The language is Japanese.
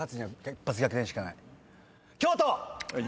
京都！